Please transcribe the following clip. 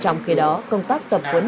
trong khi đó công tác tập huấn